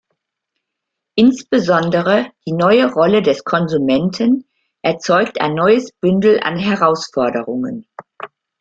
Insbesondere die neue Rolle des Konsumenten erzeugt ein neues Bündel an Herausforderungen.